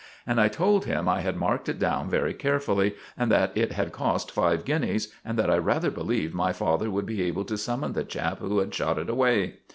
And I told him I had marked it down very carefully, and that it had cost five guineas, and that I rather believed my father would be able to summon the chap who had shot it away.